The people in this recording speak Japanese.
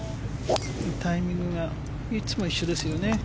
タイミングがいつも一緒ですよね。